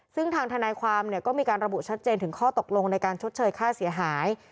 ซึ่งทางทนายความก็มีการระบุชัดเจนถึงข้อตกลงในการชดเชยค่าเสียหาย